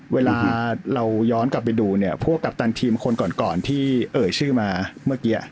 เวลาเราย้อนกลับไปดูเนี่ยพวกกัปตันทีมคนก่อนที่เอ่ยชื่อมาเมื่อกี้